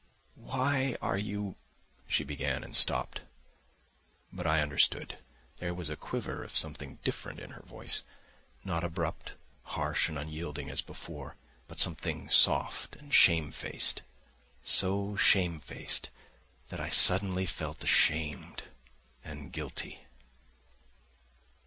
"Why are you—" she began and stopped. But I understood: there was a quiver of something different in her voice, not abrupt, harsh and unyielding as before, but something soft and shamefaced, so shamefaced that I suddenly felt ashamed and guilty.